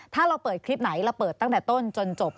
ถ้าเราเปิดคลิปไหนเราเปิดตั้งแต่ต้นจนจบ